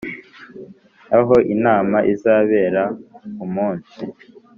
Aho inama izabera umunsi